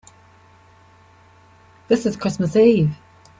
This is Christmas Eve.